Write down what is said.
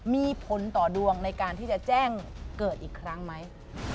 มีผลต่อดวงในการที่จะแจ้งเกิดอีกครั้งไหม